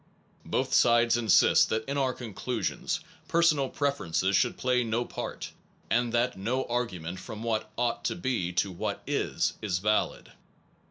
Both sides insist that in our conclusions personal preferences should play no part, and that no argu ment from what ought to be to what is, is valid.